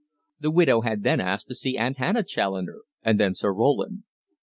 The widow had then asked to see Aunt Hannah Challoner, and then Sir Roland.